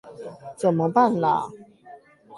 怎麼辦啦